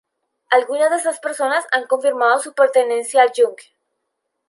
Algunas de estas personas han confirmado su pertenencia al Yunque.